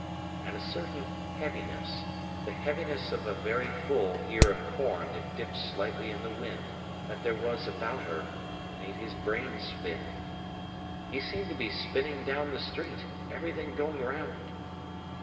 And a certain heaviness, the heaviness of a very full ear of corn that dips slightly in the wind, that there was about her, made his brain spin. He seemed to be spinning down the street, everything going round.